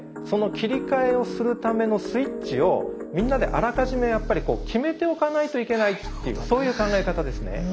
その切り替えをするためのスイッチをみんなであらかじめやっぱり決めておかないといけないっていうそういう考え方ですね。